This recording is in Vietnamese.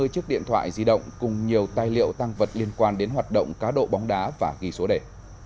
hai mươi chiếc điện thoại di động cùng nhiều tài liệu tăng vật liên quan đến hoạt động cá độ bóng đá và ghi số đề